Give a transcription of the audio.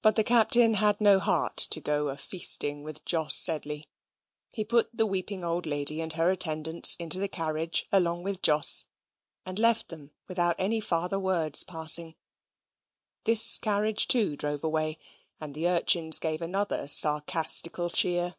But the Captain had no heart to go a feasting with Jos Sedley. He put the weeping old lady and her attendants into the carriage along with Jos, and left them without any farther words passing. This carriage, too, drove away, and the urchins gave another sarcastical cheer.